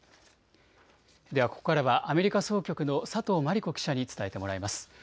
ではここからはアメリカ総局の佐藤真莉子記者に伝えてもらいます。